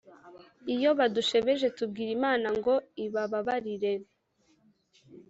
iyo badushebeje tubwira imana ngo ibaba barire.